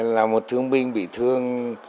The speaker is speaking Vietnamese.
là một thương binh bị thương